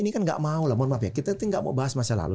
ini kan nggak mau lah mohon maaf ya kita nggak mau bahas masa lalu